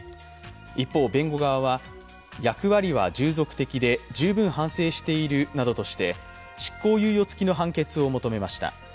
一方、弁護側は、役割は従属的で十分反省しているなどとして執行猶予付きの判決を求めました。